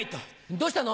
どうしたの？